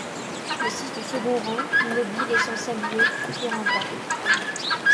Les six du second rang, immobiles et sans saluer, firent un pas.